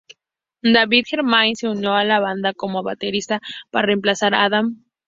David Germain se unió a la banda como baterista, para reemplazar a Adam.